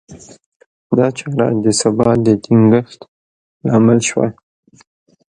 دا چاره د ثبات د ټینګښت لامل شوه.